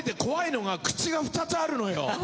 怖いのが口が２つあるのよ。